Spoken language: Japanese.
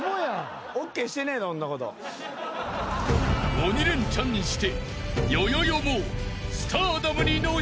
［鬼レンチャンして］